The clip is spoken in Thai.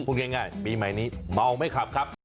พูดง่ายปีใหม่นี้เมาไม่ขับครับ